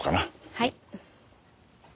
はい。